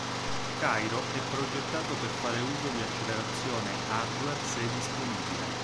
Cairo è progettato per fare uso di accelerazione hardware, se disponibile.